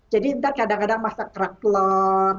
jadi kadang kadang masak kerak telur